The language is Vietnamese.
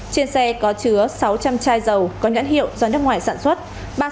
trên xe có chứa sáu trăm linh chai dầu có nhãn hiệu do nước ngoài sản xuất